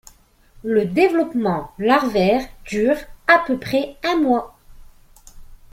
Le développement larvaire dure à peu près un mois.